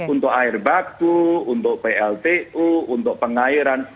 untuk air baku untuk pltu untuk pengairan